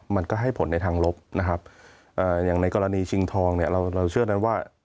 มันก็ให้ผลในทางลบนะครับอย่างในกรณีชิงทองเนี่ยเราเชื่อนั้นว่า